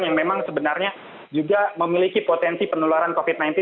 yang memang sebenarnya juga memiliki potensi penularan covid sembilan belas